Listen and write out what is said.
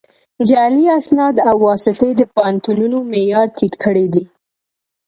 جعلي اسناد او واسطې د پوهنتونونو معیار ټیټ کړی دی